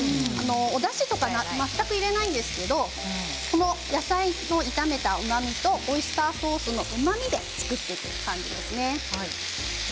おだしとか全く入れないんですけど野菜を炒めたうまみとオイスターソースのうまみで作っていく感じですね。